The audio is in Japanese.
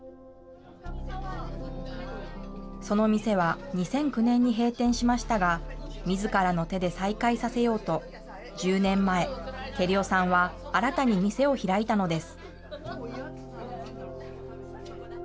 その店は２００９年に閉店しましたが、みずからの手で再開させようと、１０年前、照代さんは新たに店を開いたのです。